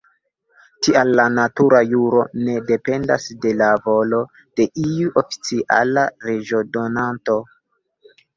Tial la natura juro ne dependas de la volo de iu oficiala leĝodonanto.